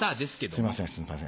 すいませんすいません。